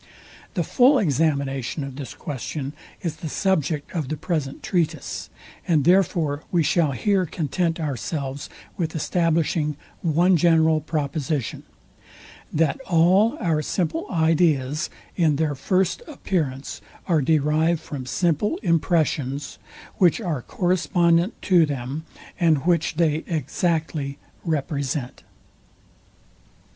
The full examination of this question is the subject of the present treatise; and therefore we shall here content ourselves with establishing one general proposition, THAT ALL OUR SIMPLE IDEAS IN THEIR FIRST APPEARANCE ARE DERIVED FROM SIMPLE IMPRESSIONS, WHICH ARE CORRESPONDENT TO THEM, AND WHICH THEY EXACTLY REPRESENT.